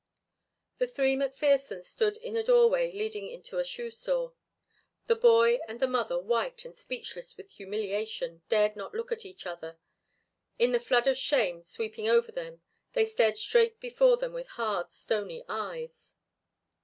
The three McPhersons stood in a doorway leading into a shoe store. The boy and the mother, white and speechless with humiliation, dared not look at each other. In the flood of shame sweeping over them they stared straight before them with hard, stony eyes.